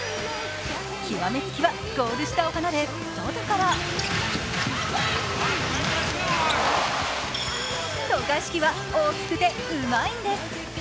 極めつきはゴール下を離れ外から渡嘉敷は大きくて、うまいんです。